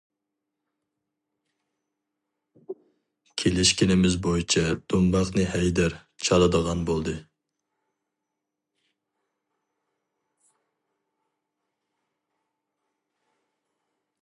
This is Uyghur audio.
كېلىشكىنىمىز بويىچە دۇمباقنى ھەيدەر چالىدىغان بولدى.